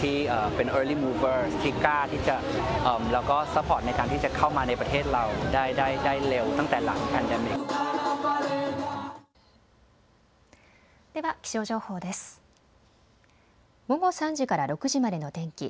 午後３時から６時までの天気